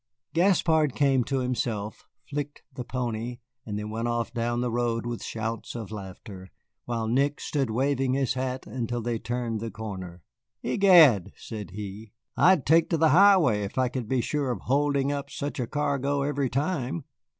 Gaspard came to himself, flicked the pony, and they went off down the road with shouts of laughter, while Nick stood waving his hat until they turned the corner. "Egad," said he, "I'd take to the highway if I could be sure of holding up such a cargo every time.